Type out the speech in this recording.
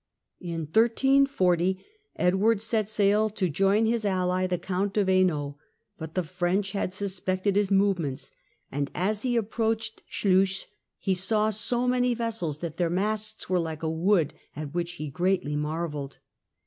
In 1340 Edward set sail to join his ally the Count of Hainault, but the French had suspected his movements and as he approached Sluys he saw "so many vessels that their masts were like a wood, at which he greatly marvelled